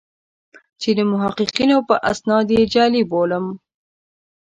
چې د محققینو په استناد یې جعلي بولم.